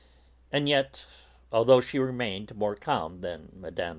And yet, although she remained more calm than Mme.